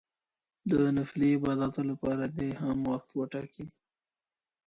د نفلي عباداتو لپاره دي هم وخت وټاکي.